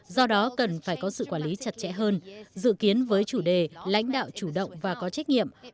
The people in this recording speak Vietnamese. do đó cần phải có sự quản lý chặt chẽ hơn dự kiến với chủ đề lãnh đạo chủ động và có trách nhiệm